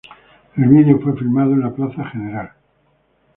El vídeo fue filmado en la plaza Gral.